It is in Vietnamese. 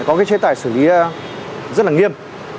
có cái chế tài xử lý rất là nghiêm